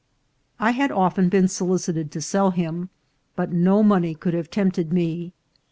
I had often been solicited to sell him, but no money could have tempted me.